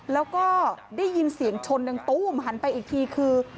แล้วก็ได้ยินเสียงชนดังตู้มหันไปอีกทีคือ